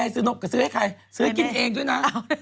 ซื้อให้ใครซื้อให้กินเองด้วยนะ